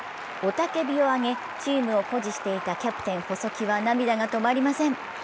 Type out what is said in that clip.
雄叫びを上げ、チームを鼓舞していたキャプテン・細木は涙が止まりません。